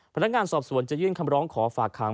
พนักงานสอบสวนจะยื่นคำร้องขอฝากขัง